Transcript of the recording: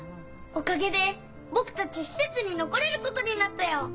おかげで僕たち施設に残れることになったよ！